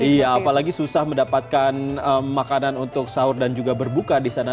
iya apalagi susah mendapatkan makanan untuk sahur dan juga berbuka di sana